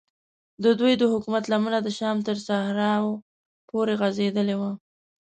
ددوی د حکومت لمنه د شام تر صحراو پورې غځېدلې وه.